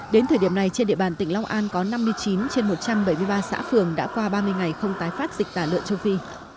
đến thời điểm này trên địa bàn tỉnh long an có năm mươi chín trên một trăm bảy mươi ba xã phường đã qua ba mươi ngày không tái phát dịch tả lợn châu phi